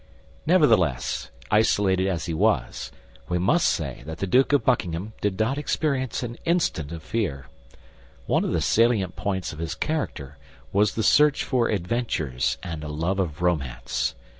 Nevertheless, isolated as he was, we must say that the Duke of Buckingham did not experience an instant of fear. One of the salient points of his character was the search for adventures and a love of romance.